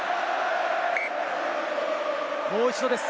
もう一度です。